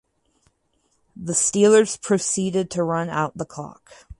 The Steelers proceeded to run out the clock.